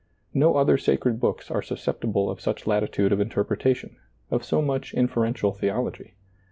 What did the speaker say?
No other sacred books are susceptible of such latitude of interpretation, of so much infer ential theology.